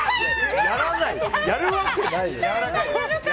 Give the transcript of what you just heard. やるわけないじゃん。